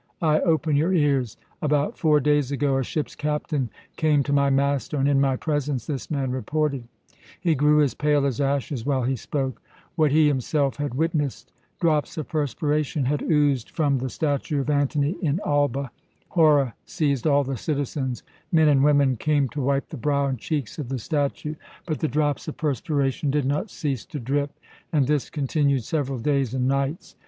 Ay, open your ears! About four days ago a ship's captain came to my master and in my presence this man reported he grew as pale as ashes while he spoke what he himself had witnessed. Drops of perspiration had oozed from the statue of Antony in Alba. Horror seized all the citizens; men and women came to wipe the brow and cheeks of the statue, but the drops of perspiration did not cease to drip, and this continued several days and nights.